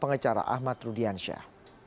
pengecara ahmad rudiansyah